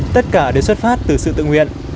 tất cả đều xuất phát từ sự tự nguyện